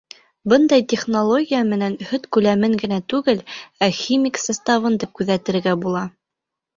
Бындай технология менән һөт күләмен генә түгел, ә химик составын да күҙәтергә була.